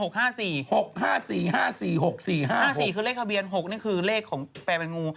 ๕๔ก็เลขทะเบียน๖คือเลขแปลงู